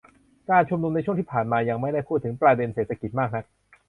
การชุมนุมในช่วงที่ผ่านมายังไม่ได้พูดถึงประเด็นเศรษฐกิจมากนัก